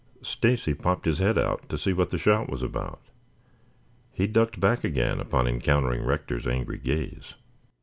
Stacy popped his head out to see what the shout was about. He ducked back again upon encountering Rector's angry gaze.